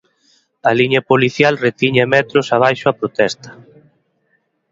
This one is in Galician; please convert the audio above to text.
A liña policial retiña metros abaixo a protesta.